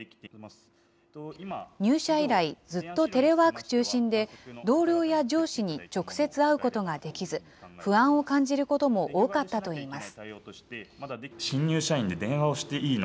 入社以来、ずっとテレワーク中心で、同僚や上司に直接会うことができず、不安を感じることも多かったといいます。